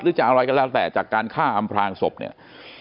จะอะไรก็แล้วแต่จากการฆ่าอำพลางศพเนี่ย